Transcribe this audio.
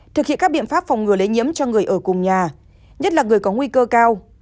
thực hiện các biện pháp phòng ngừa lây nhiễm cho người ở cùng nhà nhất là người có nguy cơ cao